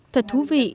thật thú vị